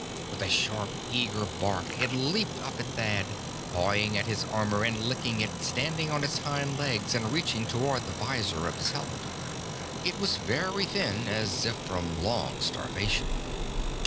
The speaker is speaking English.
With a sharp, eager bark, it leaped up at Thad, pawing at his armor and licking it, standing on its hind legs and reaching toward the visor of his helmet. It was very thin, as if from long starvation.